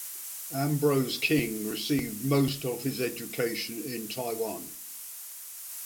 Ambrose King received most of his education in Taiwan.